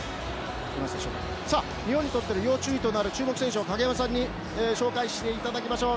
日本にとって要注意となる注目選手を影山さんに紹介していただきましょう。